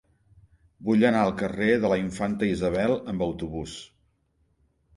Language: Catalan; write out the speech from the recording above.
Vull anar al carrer de la Infanta Isabel amb autobús.